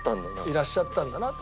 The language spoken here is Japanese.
いらっしゃったんだなと。